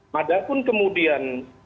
padahal pun kemudian